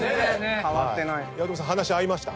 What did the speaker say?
八乙女さん話合いました？